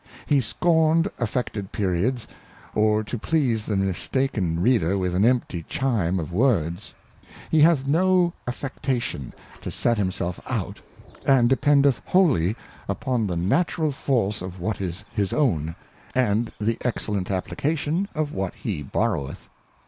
He scorned affected Periods, or to please the mistaken Reader with an empty Chime of Words. He hath no Affectation to set himself out, and dependeth wholly upon the Natural 1 86 Natural Force of what is his own, and the Excellent Application of what he borroweth.